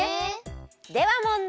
では問題！